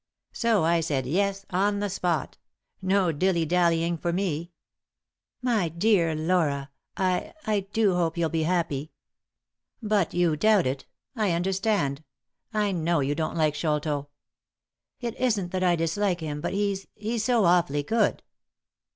So I said 'Yes' on the spot. No dilly dallying for me." " My dear Laura, I— I do hope you'll be happy." " But you doubt it — I understand. I know you don't like Sholto." " It isn't that I dislike him, but he's — he's so awfully good."